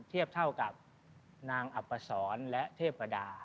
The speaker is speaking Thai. เทียบเท่ากับนางอับประสอนและเทพดา